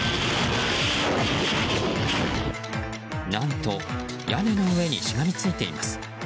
何と屋根の上にしがみついています。